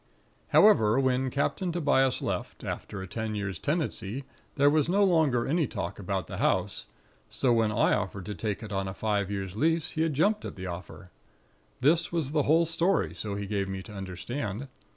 "However, when Captain Tobias left, after a ten years' tenancy, there was no longer any talk about the house; so when I offered to take it on a five years' lease, he had jumped at the offer. This was the whole story; so he gave me to understand.